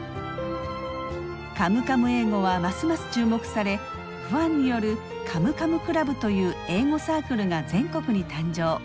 「カムカム英語」はますます注目されファンによるカムカムクラブという英語サークルが全国に誕生。